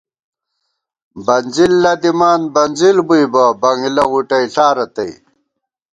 بنزِل لَدِمان بنزِل بُوئی بہ، بنگلہ وُٹئیلا رتئ